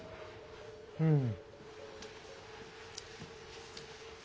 うん。